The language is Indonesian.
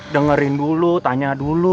dengerin dulu tanya dulu